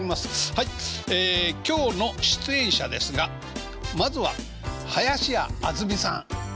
はい今日の出演者ですがまずは林家あずみさんはい。